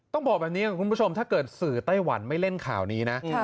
ต้องบอกแบบนี้คุณผู้ชมถ้าเกิดสื่อไต้หวันไม่เล่นข่าวนี้นะ